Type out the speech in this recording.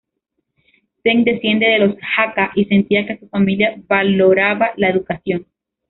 Zheng desciende de los Hakka y sentía que su familia valoraba la educación.